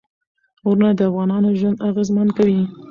غرونه د افغانانو ژوند اغېزمن کوي.